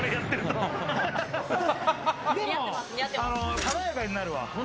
華やかになるわ。